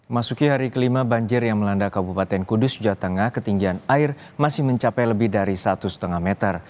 masuki hari kelima banjir yang melanda kabupaten kudus jawa tengah ketinggian air masih mencapai lebih dari satu lima meter